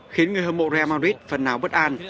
khiến người hâm mộ real madrid phần nào bất an